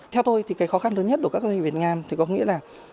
theo tôi thì cái khó khăn lớn nhất của các doanh nghiệp việt nam thì có nghĩa là